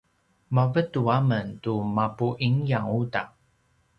mavetu a men tu mapu ingyang uta